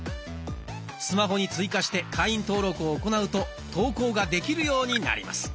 スマホに追加して会員登録を行うと投稿ができるようになります。